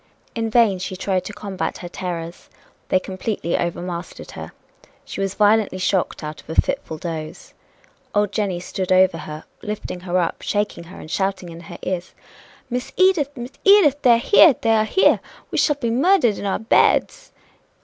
In vain she tried to combat her terrors they completely overmastered her. She was violently shocked out of a fitful doze. Old Jenny stood over her, lifting her up, shaking her, and shouting in her ears: "Miss Edith! Miss Edith! They are here! They are here! We shall be murdered in our beds!"